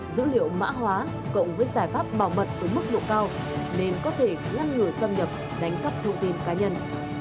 dữ liệu mã hóa cộng với giải pháp bảo mật ở mức độ cao nên có thể ngăn ngừa xâm nhập đánh cắp thông tin cá nhân